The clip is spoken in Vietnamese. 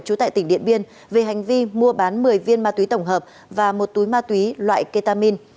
trú tại tỉnh điện biên về hành vi mua bán một mươi viên ma túy tổng hợp và một túi ma túy loại ketamin